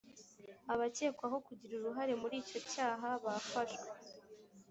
abakekwaho kugira uruhare muri icyo cyaha bafashwe